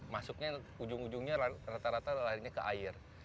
masuknya ujung ujungnya rata rata lahirnya ke air